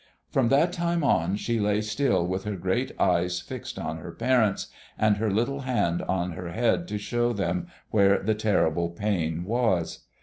From that time on she lay still with her great eyes fixed on her parents, and her little hand on her head to show them where the terrible pain was.